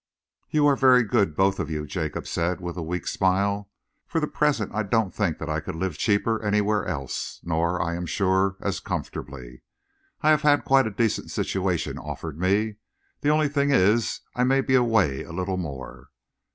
"You are very good both of you," Jacob said, with a weak smile. "For the present I don't think that I could live cheaper anywhere else, nor, I am sure, as comfortably. I have had quite a decent situation offered me. The only thing is I may be away a little more."